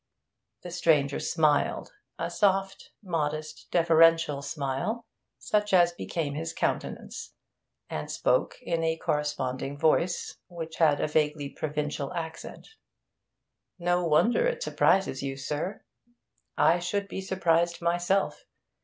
The stranger smiled; a soft, modest, deferential smile such as became his countenance, and spoke in a corresponding voice, which had a vaguely provincial accent. 'No wonder it surprises you, sir. I should be surprised myself.